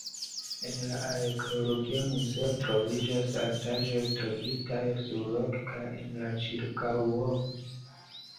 En la arkeologia muzeo troviĝas artaĵoj trovitaj surloke kaj en la ĉirkaŭo.